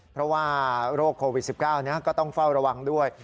เพราะว่าโรคโควิด๑๙ก็ต้องเฝ้าระวังด้วย